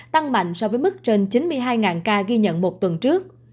tăng mạnh so với mức trên chín mươi hai ca ghi nhận một tuần trước